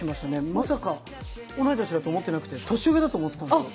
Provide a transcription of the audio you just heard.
まさか同い年だと思ってなくて、年上だと思ってたんですよ。